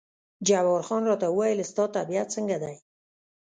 جبار خان راته وویل ستا طبیعت څنګه دی؟